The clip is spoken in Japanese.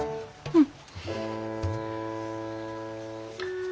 うん。